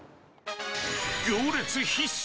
行列必至！